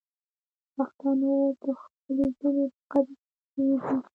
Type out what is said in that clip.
پښتانه اوس د خپلې ژبې په قدر پوه سوي دي.